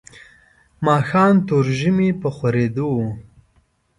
ماښام تروږمۍ په خورېدو وه.